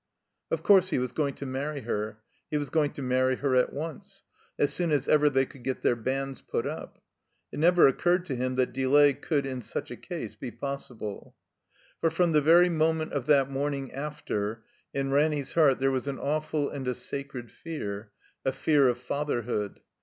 Of course, he was going to marry her. He was going to marry her at once ; as soon as ever they could get their banns put up. It never occurred to him that delay cotdd, in such a case, be possible. For, from the very moment of that morning after, in Ranny's heart there was an awftd and a sacred fear, a fear of fatherhood.